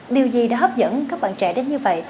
điều gì đã hấp dẫn các bạn trẻ đến như vậy